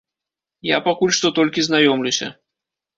Я пакуль што толькі знаёмлюся.